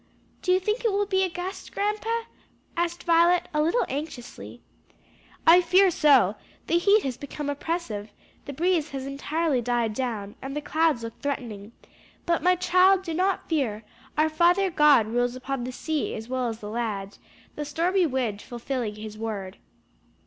"Do you think it will be a gust, grandpa?" asked Violet, a little anxiously. "I fear so; the heat has become so oppressive, the breeze has entirely died down, and the clouds look threatening; but, my child, do not fear; our Father, God, rules upon the sea as well as the land; the stormy wind fulfilling his word."